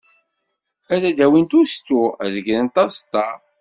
Ad d-awint ustu, ad grent aẓeṭṭa.